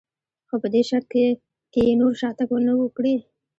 خو په دې شرط که یې نور شاتګ نه و کړی.